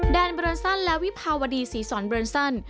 แดนเบิร์นซันและวิภาวดีศรีสรรค์เบิร์นซัน